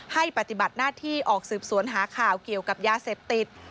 ปฏิบัติหน้าที่ออกสืบสวนหาข่าวเกี่ยวกับยาเสพติด